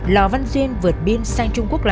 lò văn duyên vượt biên sang trung quốc